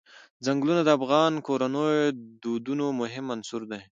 ځنګلونه د افغان کورنیو د دودونو مهم عنصر دی.